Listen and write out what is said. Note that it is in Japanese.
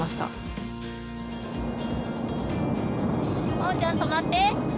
まおちゃん止まって。